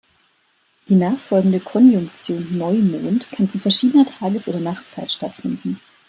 Die nachfolgende Konjunktion, Neumond, kann zu verschiedener Tages- oder Nachtzeit stattfinden.